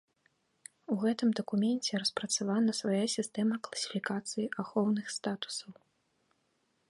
У гэтым дакуменце распрацавана свая сістэма класіфікацыі ахоўных статусаў.